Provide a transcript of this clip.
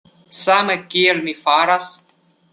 Same kiel mi faras?